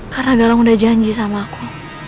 karena galang udah janji sama aku